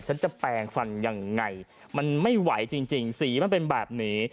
ฉันจะแปลงฟันยังไงมันไม่ไหวจริงสีมันเป็นแบบนี้